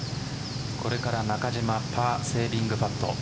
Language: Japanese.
これから中島パーセービングパット。